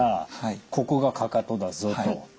ここがかかとだぞと。